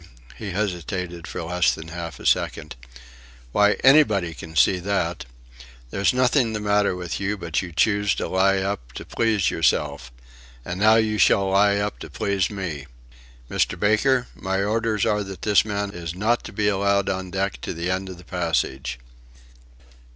he hesitated for less than half a second. "Why, anybody can see that. There's nothing the matter with you, but you choose to lie up to please yourself and now you shall lie up to please me. Mr. Baker, my orders are that this man is not to be allowed on deck to the end of the passage."